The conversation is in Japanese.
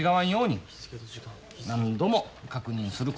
何度も確認すること。